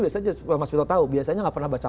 biasanya mas vito tahu biasanya nggak pernah baca